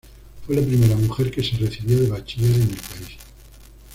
Fue la primera mujer que se recibió de bachiller en el país.